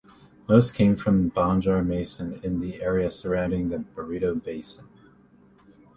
Most came from Banjarmasin in the area surrounding the Barito basin.